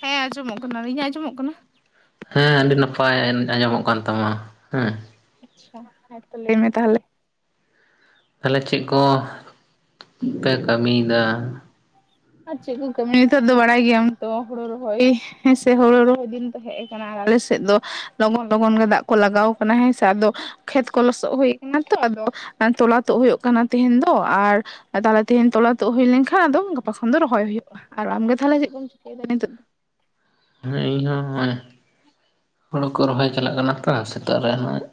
ᱦᱮᱸ ᱟᱸᱡᱚᱢᱚᱜ ᱠᱟᱱᱟ᱾ ᱤᱧᱟᱜ ᱟᱸᱡᱚᱢᱚᱜ ᱠᱟᱱᱟ? ᱦᱮᱸ ᱟᱹᱰᱤ ᱱᱟᱯᱟᱭ ᱟᱸᱡᱚᱢᱚᱜ ᱠᱟᱱ ᱛᱟᱢᱟ ᱦᱮᱸ᱾ ᱟᱪᱪᱷᱟ ᱾ ᱦᱮᱸ ᱛᱚ ᱞᱟᱹᱭ ᱢᱮ ᱛᱟᱦᱚᱞᱮ᱾ ᱛᱟᱦᱚᱞᱮ ᱪᱮᱫ ᱠᱚ ᱯᱮ ᱠᱟᱹᱢᱤ ᱭᱮᱫᱟ? ᱟᱨ ᱪᱮᱫ ᱠᱚ ᱠᱟᱹᱢᱤ ᱱᱤᱛᱚᱜ ᱫᱚ ᱵᱟᱲᱟᱭ ᱜᱮᱭᱟᱢ ᱛᱚ, ᱦᱳᱲᱳ ᱨᱚᱦᱚᱭ᱾ ᱦᱮᱸ ᱥᱮ ᱦᱩᱲᱩ ᱨᱚᱦᱚᱭ ᱫᱤᱱ ᱛᱚ ᱦᱮᱡ ᱟᱠᱟᱱᱟ ᱟᱨ ᱟᱞᱮ ᱥᱮᱫ ᱫᱚ, ᱞᱚᱜᱚᱱ ᱞᱚᱜᱚᱱ ᱜᱮ ᱫᱟᱜ ᱠᱚ ᱞᱟᱜᱟᱣ ᱠᱟᱱᱟ ᱦᱮᱸ ᱥᱮ ᱟᱫᱚ ᱠᱷᱮᱛ ᱠᱚ ᱞᱚᱥᱚᱜ ᱦᱩᱭ ᱠᱟᱱᱟ ᱛᱚ, ᱟᱫᱚ ᱛᱚᱞᱟ ᱛᱚᱜ ᱦᱩᱭᱩᱜ ᱠᱟᱱᱟ ᱛᱮᱦᱮᱧ ᱫᱚ ᱟᱨ ᱛᱟᱦᱚᱞᱮ ᱛᱮᱦᱮᱧ ᱛᱞᱟ ᱛᱩᱜ ᱦᱩᱭ ᱞᱮᱱᱠᱷᱟᱱ, ᱟᱫᱚ ᱜᱟᱯᱟ ᱠᱷᱚᱱ ᱫᱚ ᱨᱚᱦᱚᱭ ᱦᱩᱭᱩᱜᱼᱟ᱾ ᱟᱨ ᱟᱢᱜᱮ ᱛᱟᱦᱞᱮ ᱪᱮᱫ ᱠᱚᱢ ᱪᱤᱠᱟᱹᱭᱟ ᱱᱤᱛᱚᱜ ᱫᱚ? ᱦᱮᱸ ᱤᱧ ᱦᱚᱸ ᱦᱚᱸᱜᱼᱚᱭ ᱾ ᱦᱩᱲᱩ ᱠᱚ ᱨᱚᱦᱚᱭ ᱪᱟᱞᱟᱜ ᱠᱟᱱᱟ ᱛᱚ, ᱥᱮᱛᱟᱜ ᱨᱮ ᱱᱚᱜᱼᱚᱭ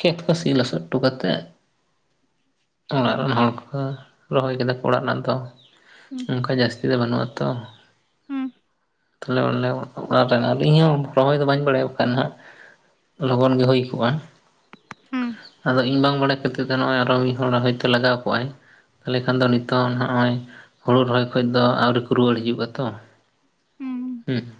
ᱠᱷᱮᱛ ᱠᱚ ᱥᱤ ᱞᱚᱸᱥᱚᱫ ᱦᱚᱴᱚ ᱠᱟᱛᱮᱫ, ᱚᱲᱟᱜ ᱦᱮᱸ ᱨᱮᱱ ᱦᱚᱲ ᱠᱚ ᱨᱚᱦᱚᱭ ᱠᱮᱫᱟ ᱠᱚ ᱚᱲᱟᱜ ᱨᱮᱱᱟᱜ ᱫᱚ᱾ ᱦᱩᱸ ᱚᱱᱠᱟ ᱡᱟᱹᱥᱛᱤ ᱫᱚ ᱵᱟᱹᱱᱩᱜᱼᱟ ᱛᱚ᱾ ᱦᱩᱸ ᱛᱷᱟᱞᱮ ᱚᱱᱮ ᱚᱱᱟ [unintelligible] ᱴᱟᱭᱮᱢ ᱟᱨ ᱤᱧᱦᱚᱸ ᱨᱚᱦᱚᱭ ᱫᱚ ᱵᱟᱹᱧ ᱵᱟᱲᱟᱭᱟ᱾ ᱵᱟᱠᱷᱟᱱ ᱦᱟᱸᱜ ᱞᱚᱜᱚᱱ ᱜᱮ ᱦᱩᱭ ᱠᱚᱜᱼᱟ᱾ ᱦᱩᱸ ᱟᱫᱚ ᱤᱧ ᱵᱟᱝ ᱵᱟᱲᱟᱭ ᱠᱷᱟᱹᱛᱤᱨ ᱛᱮ, ᱱᱚᱜᱼᱚᱭ ᱟᱨᱚ ᱢᱤᱫ ᱦᱚᱲ ᱦᱚᱭᱛᱳ ᱞᱟᱜᱟᱣ ᱠᱚᱜᱼᱟᱭ᱾ ᱛᱟᱦᱚᱞᱮ ᱠᱷᱟᱱ ᱫᱚ ᱦᱩᱸ ᱱᱤᱛᱚᱜ ᱱᱚᱜᱼᱚᱭ, ᱦᱩᱲᱩ ᱨᱚᱦᱚᱭ ᱠᱷᱚᱡ ᱫᱚ ᱟᱹᱣᱨᱤ ᱠᱚ ᱨᱩᱣᱟᱹᱲ ᱦᱤᱡᱩᱜᱼᱟ ᱛᱚ᱾ ᱦᱩᱸ᱾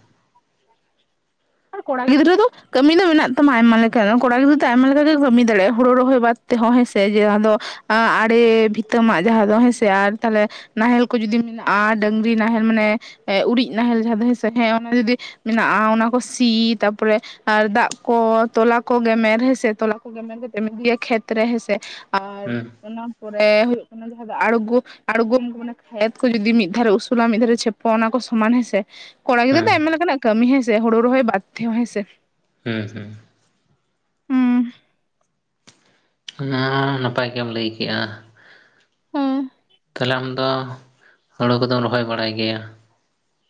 ᱠᱚᱲᱟ ᱜᱤᱫᱽᱨᱟᱹ ᱫᱚ ᱠᱟᱹᱢᱤ ᱫᱚ ᱢᱮᱱᱟᱜ ᱛᱟᱢᱟ ᱟᱭᱢᱟ ᱞᱮᱠᱟᱱᱟᱜ, ᱠᱚᱲᱟ ᱜᱤᱫᱽᱨᱟᱹ ᱫᱚ ᱟᱭᱢᱟ ᱞᱮᱠᱟ ᱜᱮ ᱠᱟᱹᱢᱤ ᱫᱟᱲᱮᱭᱟᱜᱼᱟ᱾ ᱦᱩᱲᱩ ᱨᱚᱦᱚᱭ ᱵᱟᱫ ᱛᱮᱦᱚᱸ ᱦᱮᱸᱥᱮ ᱡᱮ ᱟᱫᱚ, ᱟᱲᱮ ᱵᱷᱤᱛᱟᱹ ᱢᱟᱜ ᱡᱟᱦᱟᱸ ᱫᱚ ᱦᱮᱸᱥᱮ ᱟᱨ ᱛᱟᱦᱚᱞᱮ ᱱᱟᱦᱮᱞ ᱠᱚ ᱡᱩᱫᱤ ᱢᱮᱱᱟᱜᱼᱟ ᱰᱟᱹᱝᱨᱤ ᱱᱟᱦᱮᱞ ᱢᱟᱱᱮ, ᱮ ᱩᱨᱤᱡ ᱱᱟᱦᱮᱞ ᱡᱟᱦᱟᱸ ᱫᱚ ᱦᱮᱸ ᱥᱮᱸ ᱦᱮᱸ ᱚᱱᱟ ᱡᱩᱫᱤ ᱢᱮᱱᱟᱜᱼᱟ, ᱚᱱᱟ ᱠᱚ ᱥᱤ ᱛᱟᱨᱯᱚᱨᱮ ᱟᱨ ᱫᱟᱜ ᱠᱚ ᱛᱚᱞᱟ ᱠᱚ ᱜᱮᱢᱮᱨ ᱦᱮᱸ ᱥᱮ ᱛᱚᱞᱟ ᱠᱚ ᱜᱮᱢᱮᱨ ᱠᱟᱛᱮᱫ ᱮᱢ ᱤᱫᱤᱭᱟ ᱠᱷᱮᱛ ᱨᱮ ᱦᱮᱸ ᱥᱮ, ᱟᱨ ᱦᱮᱸ ᱚᱱᱟ ᱯᱚᱨᱮ ᱦᱩᱭᱩᱜ ᱚᱱᱟ ᱡᱟᱦᱟᱸ ᱫᱚ ᱟᱬᱜᱚ ᱟᱬᱜᱚᱢ ᱢᱟᱱᱮ ᱠᱷᱮᱛ ᱠᱚ ᱡᱩᱫᱤ ᱢᱤᱫ ᱫᱷᱟᱨᱮ ᱩᱥᱩᱞᱼᱟ ᱢᱤᱫ ᱫᱷᱟᱨᱮ ᱪᱷᱮᱯᱚ ᱚᱱᱟ ᱠᱚ ᱥᱚ ᱢᱟᱱ ᱦᱮᱸ ᱥᱮ, ᱠᱚᱲᱟ ᱜᱤᱫᱟᱹᱨ ᱦᱮᱸ ᱫᱚ ᱟᱭᱢᱟ ᱞᱮᱠᱟᱱᱟᱜ ᱠᱟᱹᱢᱤ ᱦᱮᱸᱥᱮ ᱦᱩᱲᱩ ᱨᱚᱦᱚᱭ ᱵᱟᱫᱽ ᱛᱮᱦᱚᱸ ᱦᱮᱸ ᱥᱮ᱾ ᱦᱩᱸ ᱦᱩᱸ᱾ ᱦᱩᱸ ᱚᱱᱟ ᱱᱟᱯᱟᱭ ᱜᱮᱢ ᱞᱟᱹᱭ ᱠᱮᱜᱼᱟ᱾ ᱦᱩᱸ᱾ ᱛᱟᱦᱚᱞᱮ ᱟᱢᱫᱚ, ᱦᱳᱲᱳ ᱠᱚᱫᱚᱢ ᱨᱚᱦᱚᱭ ᱵᱟᱲᱟᱭ ᱜᱮᱭᱟ?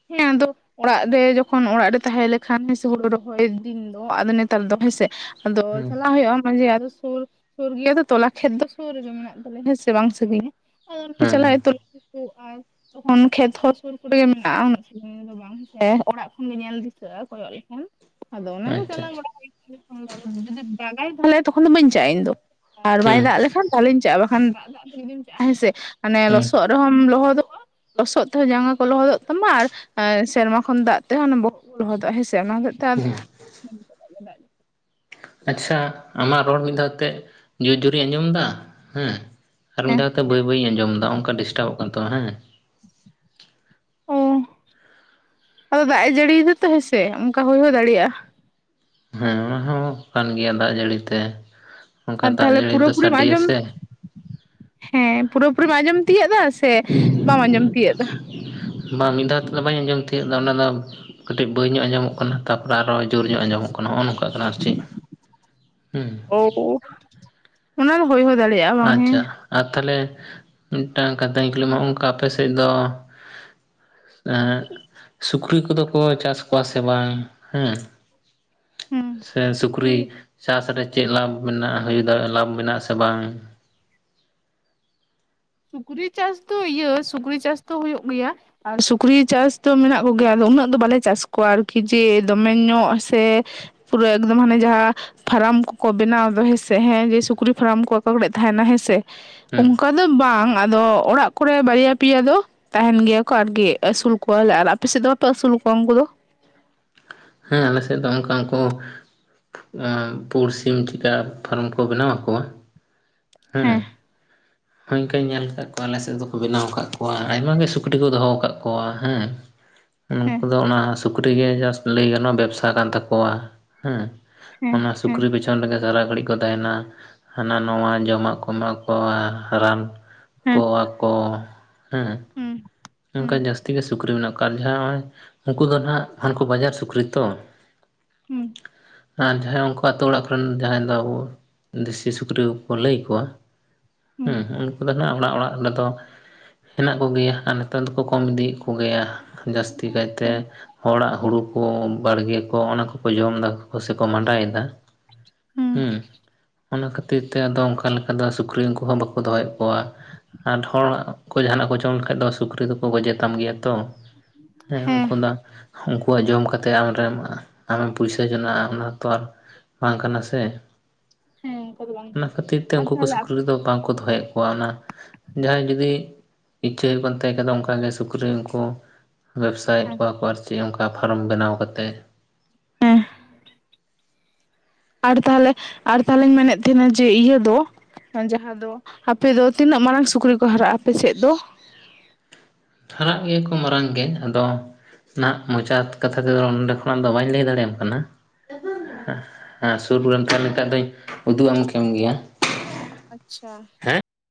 ᱦᱮᱸ ᱟᱫᱚ ᱚᱲᱟᱜ ᱨᱮ ᱡᱚᱠᱷᱚᱱ ᱚᱲᱟᱜ ᱨᱮ ᱛᱟᱦᱮᱸ ᱞᱮᱠᱷᱟᱱ ᱦᱮᱸᱥᱮ ᱦᱩᱲᱩ ᱨᱚᱦᱚᱭ ᱫᱤᱱ ᱫᱚ ᱟᱫᱚ ᱱᱮᱛᱟᱨ ᱫᱚ ᱦᱮᱸᱥᱮ, ᱟᱫᱚ ᱦᱩᱸ ᱪᱟᱞᱟᱜ ᱦᱩᱭᱩᱜᱼᱟ ᱢᱟᱡᱽᱮ ᱟᱫᱚ ᱥᱩᱨ ᱥᱩᱨ ᱜᱮᱭᱟ ᱛᱚ ᱛᱚᱞᱟ ᱠᱷᱮᱛ ᱫᱚ ᱥᱩᱨ ᱨᱮᱜᱮ ᱢᱮᱱᱟᱜ ᱛᱟᱞᱮᱭᱟ ᱦᱮᱸ ᱥᱮ, ᱵᱟᱝ ᱥᱟᱹᱜᱤᱧᱟ᱾ ᱟᱫᱚ ᱪᱟᱞᱟᱜ ᱦᱩᱸ ᱜᱮᱛᱚ ᱦᱩᱭᱩᱜ ᱟᱨ ᱛᱚᱠᱷᱚᱱ ᱠᱷᱮᱛ ᱦᱚᱸ ᱥᱩᱨ ᱠᱚᱨᱮ ᱢᱮᱱᱟᱜᱼᱟ ᱩᱱᱟᱹᱜ ᱥᱟᱺᱜᱤᱧ ᱫᱚ ᱵᱟᱝ ᱦᱮᱸ ᱥᱮ, ᱚᱲᱟᱜ ᱠᱷᱚᱱ ᱜᱮ ᱧᱮᱞ ᱫᱤᱥᱟᱹᱜᱼᱟ ᱠᱚᱭᱚᱜ ᱞᱮᱠᱷᱟᱱ᱾ ᱟᱫᱚ ᱚᱱᱟᱜᱮ ᱟᱪᱪᱷᱟ ᱪᱟᱞᱟᱣ ᱟᱪᱪᱷᱟ ᱵᱟᱲᱟ [inaudible] [inaudible] ᱡᱩᱫᱤ ᱫᱟᱜᱟᱭ ᱛᱟᱦᱚᱞᱮ ᱛᱚᱠᱷᱚᱱ ᱫᱚ ᱵᱟᱹᱧ ᱪᱟᱜᱼᱟ ᱤᱧ ᱫᱚ, ᱟᱨ ᱵᱟᱭ ᱦᱩᱸ ᱫᱟᱜ ᱞᱮᱠᱷᱟᱱ ᱛᱟᱦᱚᱞᱤᱧ ᱪᱟᱜᱼᱟ ᱵᱟᱠᱷᱟᱱ ᱫᱟᱜ ᱫᱟᱜ ᱛᱮ ᱡᱩᱫᱤᱧ ᱪᱟᱜᱼᱟ ᱦᱮᱸᱥᱮ ᱢᱟᱱᱮ ᱦᱩᱸ ᱞᱚᱥᱚᱫ ᱨᱮᱦᱚᱸᱢ ᱞᱚᱦᱚᱫᱚᱜᱼᱟ ᱞᱚᱥᱚᱫ ᱛᱮᱦᱚᱸ ᱡᱟᱸᱜᱟ ᱠᱚ ᱞᱚᱦᱚᱫᱚᱜ ᱛᱟᱢᱟ ᱟᱨ ᱟᱨ ᱥᱮᱨᱢᱟ ᱠᱷᱚᱱ ᱫᱟᱜ ᱛᱮᱦᱚᱸ ᱚᱱᱟ ᱵᱚᱦᱚᱜ ᱠᱚ ᱞᱚᱦᱚᱫᱚᱜᱼᱟ ᱦᱮᱸᱥᱮ, ᱚᱱᱟ ᱦᱚᱛᱮᱡ ᱛᱮ ᱟᱫᱚ ᱦᱩᱸ ᱟᱪᱪᱷᱟ, ᱟᱢᱟᱜ ᱨᱚᱲ ᱢᱤᱫ ᱫᱷᱟᱣ ᱛᱮᱜ ᱡᱳᱨ ᱡᱳᱨᱤᱧ ᱟᱸᱡᱚᱢ ᱮᱫᱟ ᱦᱮᱸ, ᱟᱨ ᱢᱤᱫ ᱦᱮᱸ ᱫᱷᱟᱣ ᱛᱮ ᱵᱟᱹᱭ ᱵᱟᱹᱭᱤᱧ ᱟᱸᱡᱚᱢ ᱮᱫᱟ ᱚᱝᱠᱟ ᱰᱤᱥᱴᱟᱵᱚᱜ ᱠᱟᱱ ᱛᱟᱢᱟ ᱦᱮᱸ᱾ ᱚᱻ, ᱟᱫᱚ ᱫᱟᱜ ᱮ ᱡᱟᱹᱲᱤᱭᱮᱫᱟ ᱛᱚ ᱦᱮᱸᱥᱮ ᱚᱝᱠᱟ ᱦᱩᱭ ᱦᱚᱸ ᱫᱟᱲᱮᱭᱟᱜᱼᱟ᱾ ᱦᱮᱸ ᱚᱱᱟ ᱦᱚᱸ ᱠᱟᱱ ᱜᱮᱭᱟ ᱫᱟᱜ ᱡᱟᱲᱤ ᱛᱮ᱾ ᱚᱱᱠᱟ ᱟᱨ ᱫᱟᱜ ᱛᱟᱦᱚᱞᱮ ᱡᱟᱹᱲᱤ ᱯᱩᱨᱟᱹ ᱫᱚ ᱯᱩᱨᱤᱢ ᱥᱟᱰᱮᱭᱟ ᱟᱸᱡᱚᱢ ᱥᱮ ᱦᱮᱸ ᱯᱩᱨᱟᱹ ᱯᱩᱨᱤᱢ ᱟᱸᱡᱚᱢ ᱛᱤᱭᱟᱹᱜ ᱫᱟ ᱥᱮ ᱵᱟᱢ ᱟᱸᱡᱚᱢ ᱛᱤᱭᱟᱹᱜ ᱫᱟ? ᱵᱟᱝ ᱢᱤᱫ ᱫᱷᱟᱣ ᱛᱮᱫᱚ ᱵᱟᱹᱧ ᱟᱸᱡᱚᱢ ᱛᱤᱭᱟᱹᱜ ᱫᱟ ᱚᱱᱟ ᱫᱚ ᱠᱟᱹᱴᱤᱡ ᱵᱟᱹᱭ ᱧᱚᱜ ᱟᱸᱡᱚᱢᱚᱜ ᱠᱟᱱᱟ ᱛᱟᱯᱚᱨᱮ ᱟᱨᱚ ᱡᱳᱨ ᱧᱚᱜ ᱟᱸᱡᱚᱢᱚᱜ [unintelligible] ᱱᱚᱝᱠᱟᱜ ᱠᱟᱱᱟ ᱟᱨ ᱪᱮᱫ, ᱦᱩᱸ᱾ [unintelligible] ᱚᱱᱟ ᱨᱮ ᱦᱩᱭ ᱦᱚᱸ ᱫᱟᱲᱮᱭᱟᱜᱼᱟ᱾ ᱵᱟᱝ ᱦᱮᱸ ᱟᱪᱪᱷᱟ, ᱟᱨ ᱛᱟᱦᱚᱞᱮ ᱢᱤᱫᱴᱟᱝ ᱠᱟᱛᱷᱟᱧ ᱠᱩᱞᱤ ᱢᱮᱭᱟ ᱦᱚᱸᱜᱼᱚ ᱚᱝᱠᱟ ᱟᱯᱮ ᱥᱮᱫ ᱫᱚ ᱮᱸᱜ ᱥᱩᱠᱨᱤ ᱠᱚᱫᱚ ᱠᱚ ᱪᱟᱥ ᱠᱚᱣᱟ ᱥᱮ ᱵᱟᱝ ᱦᱩᱸ? ᱦᱩᱸ ᱥᱮ ᱥᱩᱠᱨᱤ ᱪᱟᱥ ᱨᱮ ᱪᱮᱫ ᱞᱟᱵᱷ ᱢᱮᱱᱟᱜᱼᱟ ᱦᱩᱭ ᱫᱟᱲᱮᱜᱼᱟ ᱞᱟᱵᱷ ᱢᱮᱱᱟᱜᱼᱟ ᱥᱮ ᱵᱟᱝ? ᱥᱩᱠᱨᱤ ᱪᱟᱥ ᱫᱚ ᱤᱭᱟᱹ ᱥᱩᱠᱨᱤ ᱪᱟᱥ ᱫᱚ ᱦᱩᱭᱩᱜ ᱜᱮᱭᱟ᱾ ᱟᱨ ᱥᱩᱠᱨᱤ ᱪᱟᱥ ᱫᱚ ᱢᱮᱱᱟᱜ ᱠᱚ ᱜᱮᱭᱟ ᱟᱫᱚ ᱩᱱᱟᱹᱜ ᱫᱚ ᱵᱟᱞᱮ ᱪᱟᱥ ᱠᱚᱣᱟ ᱟᱨᱠᱤ ᱡᱮ ᱫᱚᱢᱮ ᱧᱚᱜ ᱥᱮ ᱯᱩᱨᱟᱹ ᱮᱠᱫᱚᱢ ᱦᱟᱸᱱᱮ ᱡᱟᱦᱟᱸ ᱯᱷᱟᱨᱟᱢ ᱠᱚᱠᱚ ᱵᱮᱱᱟᱣ ᱫᱚ ᱦᱮᱸ ᱥᱮ ᱦᱮᱸ ᱡᱮ ᱥᱩᱠᱨᱤ ᱯᱷᱟᱨᱟᱢ ᱠᱚ [unintelligible] ᱛᱟᱦᱮᱸᱫ ᱟ ᱦᱮᱸᱥᱮ, ᱦᱮᱸ ᱚᱝᱠᱟ ᱫᱚ ᱵᱟᱝ ᱟᱫᱚ ᱚᱲᱟᱜ ᱠᱚᱨᱮ ᱵᱟᱨᱭᱟ ᱯᱮᱭᱟ ᱫᱚ ᱛᱟᱦᱮᱸᱱ ᱜᱮᱭᱟ ᱠᱚ ᱟᱨᱠᱤ ᱟᱹᱥᱩᱞ ᱠᱚᱣᱟᱞᱮ, ᱟᱨ ᱟᱯᱮ ᱥᱮᱫ ᱫᱚ ᱵᱟᱯᱮ ᱟᱹᱥᱩᱞ ᱠᱚᱣᱟ ᱩᱝᱠᱩ ᱫᱚ? ᱦᱮᱸ ᱟᱞᱮ ᱥᱮᱫ ᱫᱚ ᱚᱝᱠᱟ ᱩᱱᱠᱩ ᱟᱸ ᱯᱩᱲ ᱥᱤᱢ ᱪᱤᱠᱟ ᱯᱷᱟᱨᱚᱢ ᱠᱚ ᱵᱮᱱᱟᱣ ᱟᱠᱚᱣᱟ ᱦᱮᱸ ᱦᱟᱸᱧ ᱠᱟᱹᱧ ᱧᱮᱞ ᱠᱟᱫ ᱠᱚᱣᱟ ᱟᱞᱮ ᱥᱮᱫ ᱫᱚᱠᱚ ᱵᱮᱱᱟᱣ ᱟᱠᱟᱫ ᱠᱚᱣᱟ ᱟᱭᱢᱟ ᱜᱤ ᱥᱩᱠᱨᱤ ᱠᱚ ᱫᱚᱦᱚ ᱟᱠᱟᱫ ᱠᱚᱣᱟ ᱦᱮᱸ [inaudible] ᱩᱱᱠᱩ ᱫᱚ ᱚᱱᱟ ᱥᱩᱠᱨᱤ ᱜᱮ ᱡᱟᱥᱴ ᱞᱟᱹᱭ ᱜᱟᱱᱚᱜᱼᱟ ᱵᱮᱵᱽᱥᱟ ᱠᱟᱱ ᱛᱟᱠᱚᱣᱟ᱾ ᱦᱮᱸ ᱦᱮᱸ ᱚᱱᱟ ᱦᱮᱸ ᱥᱩᱠᱨᱤ ᱵᱤᱪᱷᱚᱠ ᱪᱚᱱ ᱚᱸᱰᱮ ᱜᱮ ᱥᱟᱨᱟ ᱜᱷᱟᱹᱲᱤᱡ ᱠᱚ ᱛᱟᱦᱮᱱᱟ ᱦᱟᱱᱟ ᱱᱟᱣᱟ ᱡᱚᱢᱟᱜ ᱠᱚ ᱮᱢᱟ ᱠᱚᱣᱟ ᱨᱟᱱ ᱦᱮᱸ ᱠᱚᱣᱟ ᱠᱚ ᱦᱮᱸ ᱦᱩᱸ, ᱚᱱᱠᱟ ᱦᱩᱸ ᱡᱟᱹᱥᱛᱤ ᱜᱮ ᱥᱩᱠᱨᱤ ᱢᱮᱱᱟᱜ ᱠᱚᱣᱟ ᱡᱟᱦᱟᱸ ᱦᱚᱜᱼᱚᱭ ᱩᱱᱠᱩ ᱫᱚ ᱱᱟᱦᱟᱜ ᱦᱟᱱᱠᱩ ᱵᱟᱡᱟᱨ ᱥᱩᱠᱨᱤ ᱛᱚ ᱦᱩᱸ᱾ ᱟᱨ ᱡᱟᱦᱟᱸᱭ ᱩᱱᱠᱩ ᱟᱹᱛᱩ ᱚᱲᱟᱜ ᱠᱚ ᱨᱮᱱ ᱡᱟᱦᱟᱸᱭ ᱫᱚ ᱟᱵᱚ ᱫᱤᱥᱤ ᱥᱩᱠᱨᱤ ᱠᱩᱠᱩ ᱞᱟᱹᱭ ᱠᱚᱣᱟ ᱦᱩᱸ ᱩᱱᱠᱩ ᱫᱚ ᱱᱟᱜ ᱚᱲᱟᱜ ᱚᱲᱟᱜ ᱞᱮᱫᱚ ᱦᱮᱱᱟᱜ ᱠᱩ ᱜᱮᱭᱟ ᱟᱨ ᱱᱮᱛᱟᱨ ᱫᱚᱠᱚ ᱠᱚᱢ ᱤᱫᱤᱭᱮᱫ ᱠᱩ ᱜᱮᱭᱟ ᱡᱟᱹᱥᱛᱤ ᱠᱟᱭᱛᱮ ᱦᱩᱸ ᱦᱚᱲᱟᱜ ᱦᱩᱲᱩ ᱠᱚ ᱵᱟᱲᱜᱤ ᱠᱚ ᱚᱱᱟ ᱠᱚᱠᱚ ᱡᱚᱢ ᱫᱟ ᱠᱚ ᱥᱮ ᱠᱚ ᱢᱟᱸᱰᱟᱭ ᱮᱫᱟ ᱦᱩᱸ ᱚᱱᱟ ᱠᱷᱟᱹᱛᱤᱨ ᱛᱮ ᱟᱫᱚ ᱚᱝᱠᱟ ᱞᱮᱠᱟ ᱫᱚ ᱥᱩᱠᱨᱤ ᱩᱱᱠᱩ ᱦᱚᱸ ᱵᱟᱠᱩ ᱫᱚᱦᱚᱭᱮᱫ ᱠᱚᱣᱟ ᱾ ᱟᱨ ᱦᱚᱲ ᱚᱲᱟᱜ ᱠᱚ ᱡᱟᱦᱟᱱᱟᱜ ᱠᱚ ᱡᱚᱢ ᱞᱮᱠᱷᱟᱡ ᱫᱚ ᱥᱩᱠᱨᱤ ᱫᱚᱠᱚ ᱜᱚᱡᱮ ᱛᱟᱢ ᱜᱮᱭᱟ ᱛᱚ ᱦᱮᱸ ᱩᱱᱠᱩ ᱫᱚ ᱩᱱᱠᱩᱣᱟᱜ ᱡᱚᱢ ᱠᱟᱛᱮ ᱟᱢ ᱨᱮᱢ ᱟᱢᱮᱢ ᱯᱩᱭᱥᱟᱹ ᱡᱚᱱᱟᱜᱼᱟ ᱚᱱᱟ ᱛᱚ ᱟᱨ ᱵᱟᱝ ᱠᱟᱱᱟ ᱥᱮ ᱦᱮᱸ ᱚᱱᱠᱟ ᱫᱚ ᱵᱟᱝ ᱚᱱᱟ ᱠᱟᱱᱟ ᱠᱷᱟᱹᱛᱤᱨ ᱛᱮ ᱟᱨ ᱩᱱᱠᱩ ᱠᱚ ᱛᱟᱦᱚᱞᱮ ᱥᱩᱠᱨᱤ ᱟᱯᱮ ᱨᱮᱫᱚ ᱵᱟᱝ ᱠᱚ ᱫᱚᱦᱚᱭᱮᱫ ᱠᱚᱣᱟ ᱚᱱᱟ ᱡᱟᱦᱟᱸᱭ ᱡᱩᱫᱤ ᱤᱪᱪᱷᱟᱹ ᱦᱩᱭᱩᱜ ᱠᱟᱱ ᱛᱮ ᱠᱷᱟ ᱚᱝᱠᱟ ᱜᱮ ᱥᱩᱠᱨᱤ ᱩᱱᱠᱩ ᱵᱮᱵᱥᱟᱭᱮᱫ ᱦᱮᱸ ᱠᱚᱣᱟ ᱠᱚ ᱟᱨ ᱪᱮᱫ ᱚᱝᱠᱟ ᱯᱷᱟᱨᱚᱢ ᱵᱮᱱᱟᱣ ᱠᱟᱛᱮᱜ ᱾ ᱮᱸ᱾ ᱟᱨ ᱛᱟᱞᱦᱮ ᱟᱨ ᱛᱟᱞᱦᱮᱧ ᱢᱮᱱᱮᱫ ᱛᱟᱦᱮᱱᱟ ᱡᱮ ᱤᱭᱟᱹ ᱫᱚ ᱦᱟᱸᱝ ᱡᱟᱦᱟᱸ ᱫᱚ ᱟᱯᱮ ᱫᱚ ᱛᱤᱱᱟᱹᱜ ᱢᱟᱨᱟᱝ ᱥᱩᱠᱨᱤ ᱠᱚ ᱦᱟᱨᱟᱜᱼᱟ ᱟᱯᱮ ᱥᱮᱫ ᱫᱚ? ᱦᱟᱨᱟᱜ ᱜᱮᱭᱟ ᱠᱚ ᱢᱟᱨᱟᱝ ᱜᱮ, ᱟᱫᱚ ᱱᱟᱦᱟᱜ ᱢᱚᱪᱟ ᱠᱟᱛᱷᱟ ᱛᱮᱫᱚ ᱱᱚᱸᱰᱮ ᱠᱷᱚᱱᱟᱜ ᱫᱚ ᱵᱟᱹᱧ ᱞᱟᱹᱭ ᱫᱟᱲᱮᱭᱟᱢ ᱠᱟᱱᱟ ᱾ ᱦᱮᱸ ᱥᱩᱨ ᱨᱮᱢ ᱛᱟᱦᱮᱸ ᱞᱮᱱᱠᱷᱟᱡ ᱫᱚᱧ ᱩᱫᱩᱜ ᱟᱢ ᱠᱮᱢ ᱜᱮᱭᱟ ᱾ ᱟᱪᱪᱷᱟ,